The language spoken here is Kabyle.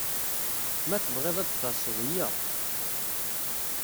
Ma tebɣiḍ ad d-taseḍ, yya.